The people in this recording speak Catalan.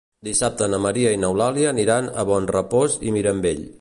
Dissabte na Maria i n'Eulàlia aniran a Bonrepòs i Mirambell.